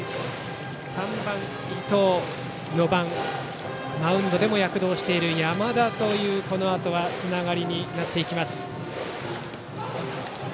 ３番、伊藤４番、マウンドでも躍動している山田というこのあとのつながりになります。